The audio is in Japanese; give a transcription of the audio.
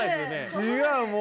違うもう。